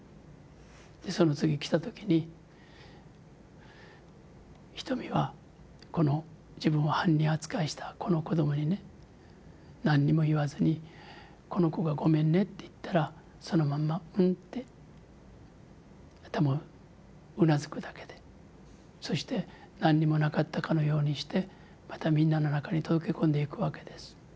その次来た時にひとみはこの自分を犯人扱いしたこの子どもにね何にも言わずにこの子が「ごめんね」って言ったらそのまんま「うん」って頭をうなずくだけでそして何にもなかったかのようにしてまたみんなの中に溶け込んでいくわけです。